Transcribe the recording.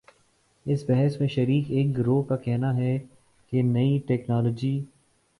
اس بحث میں شریک ایک گروہ کا کہنا ہے کہ نئی ٹیکنالوجی